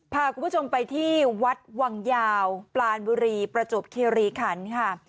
พาคุณผู้ชมไปที่วัดวังยาวปลานบุรีประจวบคิริขันค่ะ